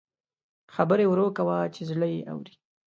خبرې ورو کوه چې زړه یې اوري